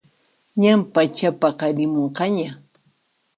Ñan pachapaqarimunqaña